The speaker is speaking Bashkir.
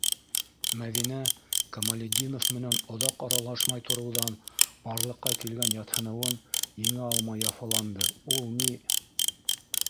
- Мәҙинә, Камалетдинов менән оҙаҡ аралашмай тороуҙан барлыҡҡа килгән ятһыныуын еңә алмай яфаланды- Ул ни...